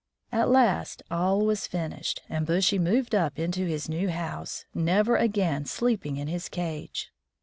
At last all was finished, and Bushy moved up into his new house, never again sleeping in his cage.